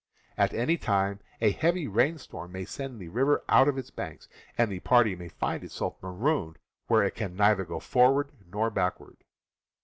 At any time a heavy rainstorm may send the river out of its banks, and the party may find itself marooned where it can neither go forward nor backward.